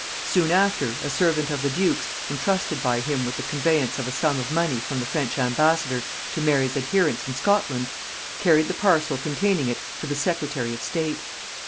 Soon after, a servant of the duke's, intrusted by him with the conveyance of a sum of money from the French ambassador to Mary's adherents in Scotland, carried the parcel containing it to the secretary of state.